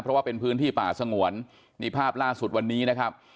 เพราะว่าเป็นพื้นที่ป่าสงวนนี่ภาพล่าสุดวันนี้นะครับ